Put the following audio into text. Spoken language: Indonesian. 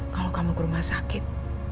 kalau kamu ke rumah sakit